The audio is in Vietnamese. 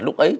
đối tượng ấy